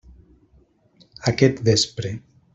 Aquest vespre.